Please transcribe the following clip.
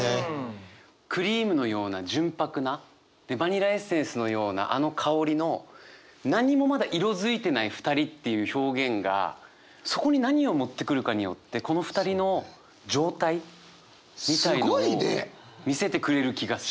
クリームのような純白なでバニラエッセンスのようなあの香りの何にもまだ色付いてない二人っていう表現がそこに何を持ってくるかによってこの２人の状態みたいのを見せてくれる気がする。